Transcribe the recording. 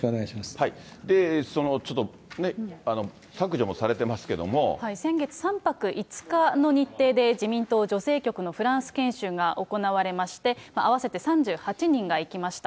そのちょっと、ねっ、削除も先月３泊５日の日程で、自民党女性局のフランス研修が行われまして、合わせて３８人が行きました。